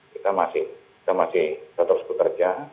kita masih tetap sebut kerja